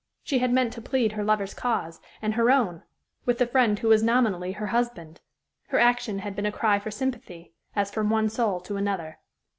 She had meant to plead her lover's cause and her own with the friend who was nominally her husband. Her action had been a cry for sympathy, as from one soul to another.